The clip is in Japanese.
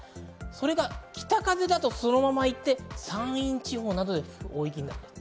それが北風だとそのまま行って山陰地方などで大雪になる。